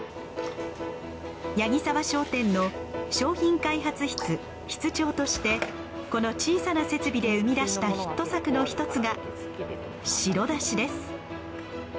八木澤商店の商品開発室室長としてこの小さな設備で生み出したヒット作の一つが白だしです。